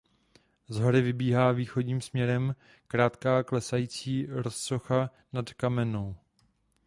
Z hory vybíhá východním směrem krátká klesající rozsocha "Nad Kamennou".